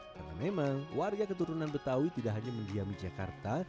karena memang warga keturunan betawi tidak hanya mendiami jakarta